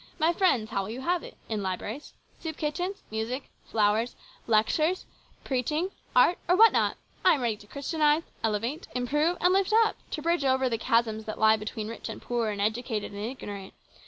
My friends, how will you have it ? In libraries, soup kitchens, music, flowers, lectures, preaching, art, or what not ? I am ready to Christianise, elevate, improve, and lift up, to bridge over the chasms that lie between rich and poor and educated and ignorant.